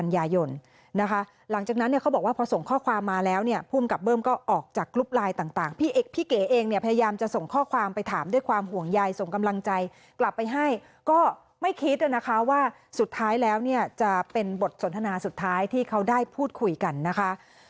อย่างยายส่งกำลังใจกลับไปให้ก็ไม่คิดเลยนะคะว่าสุดท้ายแล้วเนี่ยจะเป็นบทสนทนาสุดท้ายที่เขาได้พูดคุยกันนะคะ